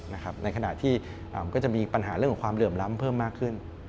ในขณะที่มันก็จะมีปัญหาเรื่องของความเหลื่อมล้ำเพิ่มมากขึ้น